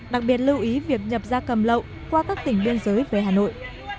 đặc biệt lưu ý việc nhập gia cầm lậu qua các tỉnh biên giới về hà nội